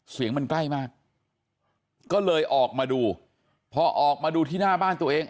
เสียงมันใกล้มากก็เลยออกมาดูพอออกมาดูที่หน้าบ้านตัวเอง